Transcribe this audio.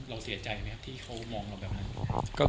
เราเสียใจไหมครับที่เขามองเราแบบนั้น